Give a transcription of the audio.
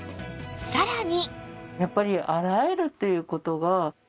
さらに